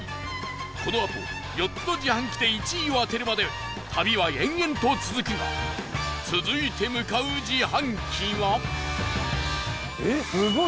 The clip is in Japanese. このあと、４つの自販機で１位を当てるまで旅は延々と続くが続いて向かう自販機は伊達：すごい！